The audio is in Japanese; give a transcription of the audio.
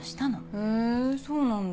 へえそうなんだ。